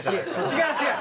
違う違う！